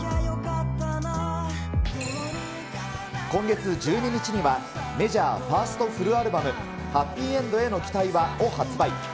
今月１２日には、メジャーファーストフルアルバム、ハッピーエンドへの期待はを発売。